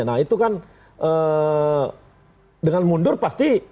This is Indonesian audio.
nah itu kan dengan mundur pasti